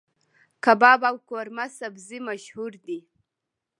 کباب او قورمه سبزي مشهور دي.